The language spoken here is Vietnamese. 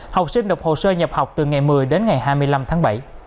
học sinh đọc hồ sơ nhập học từ ngày một mươi đến ngày hai mươi năm tháng bảy